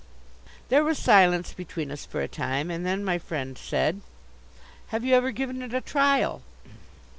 There was silence between us for a time, and then my Friend said: "Have you ever given it a trial?"